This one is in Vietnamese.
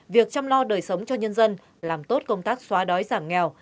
việc chăm lo đời sống cho nhân dân làm tốt công tác xóa đói giảm nghèo